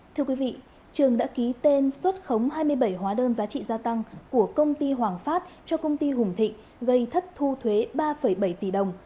thưa quý vị trường đã ký tên xuất khống hai mươi bảy hóa đơn giá trị gia tăng của công ty hoàng phát cho công ty hùng thịnh gây thất thu thuế ba bảy tỷ đồng